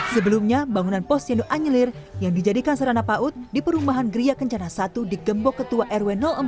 sebelumnya bangunan posyandu anyelir yang dijadikan sarana paut di perumahan geria kencana satu digembok ketua rw empat